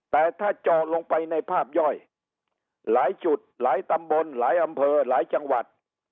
แต่ถ้าเจาะลงไปในภาพย่อยหลายจุดหลายตำบลหลายอำเภอหลายจังหวัด